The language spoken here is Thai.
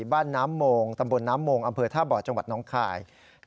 บ้านน้ำโมงตำบลน้ำโมงอำเภอท่าบ่อจังหวัดน้องคาย